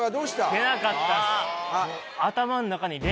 出なかったっす